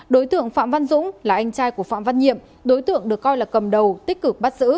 đối tượng phạm văn dũng là anh trai của phạm văn nhiệm đối tượng được coi là cầm đầu tích cực bắt giữ